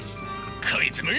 こいつめ！